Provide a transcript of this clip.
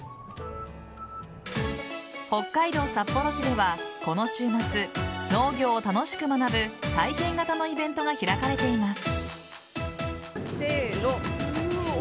北海道札幌市では、この週末農業を楽しく学ぶ体験型のイベントが開かれています。